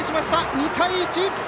２対１。